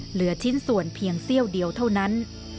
เหลือชิ้นส่วนเพียงเซี่ยวเดียวเท่านั้น